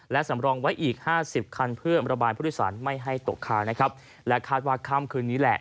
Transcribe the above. และสำรองไว้อีกห้าสิบคันเพื่อระบายผู้โดยสารไม่ให้ตกค้างนะครับและคาดว่าค่ำคืนนี้แหละ